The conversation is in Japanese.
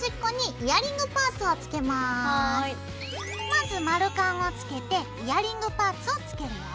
まず丸カンをつけてイヤリングパーツをつけるよ。